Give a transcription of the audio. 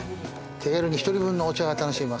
手軽に１人分のお茶が楽しめます。